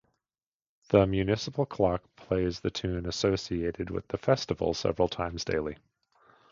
The municipal clock plays the tune associated with the festival several times daily.